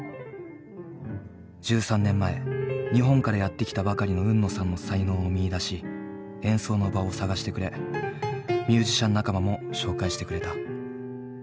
１３年前日本からやって来たばかりの海野さんの才能を見いだし演奏の場を探してくれミュージシャン仲間も紹介してくれた。